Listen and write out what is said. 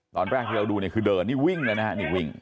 ตอนแรกที่เราดูเนี่ยคือเดินนี่วิ่งแล้วนะฮะนี่วิ่ง